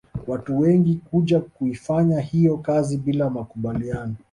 Watu wengine kuja kuifanya hiyo kazi bila makubaliano